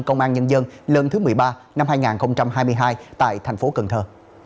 công an nhân dân lần thứ một mươi ba năm hai nghìn hai mươi hai tại thành phố cần thơ